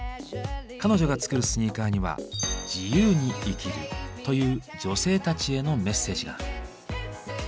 彼女が作るスニーカーには「自由に生きる」という女性たちへのメッセージが。